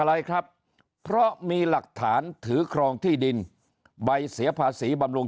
อะไรครับเพราะมีหลักฐานถือครองที่ดินใบเสียภาษีบำรุง